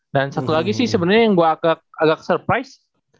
dan satu lagi sih sebenarnya yang gue agak surprise